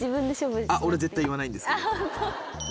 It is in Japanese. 俺絶対言わないです。